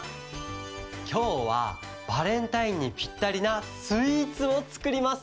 きょうはバレンタインにぴったりなスイーツをつくります。